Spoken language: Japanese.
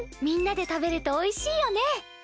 みんなで食べるとおいしいよね。